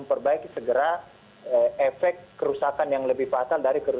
efek kerusakan yang lebih patah dari